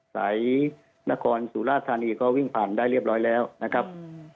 สายนครสุราธานีก็วิ่งผ่านได้เรียบร้อยแล้วนะครับ